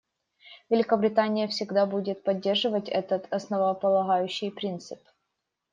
Великобритания всегда будет поддерживать этот основополагающий принцип.